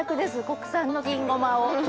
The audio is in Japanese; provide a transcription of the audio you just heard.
国産の金ごまを。